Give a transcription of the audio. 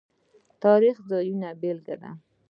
تاریخ د ځانونو بېلګه ده.